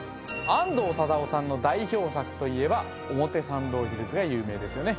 安藤忠雄さんの代表作といえば表参道ヒルズが有名ですよね